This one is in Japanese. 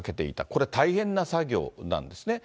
これ、大変な作業なんですね。